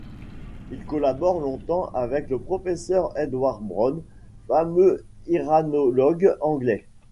Il collabore longtemps avec le professeur Edward Brown, fameux iranologue anglais.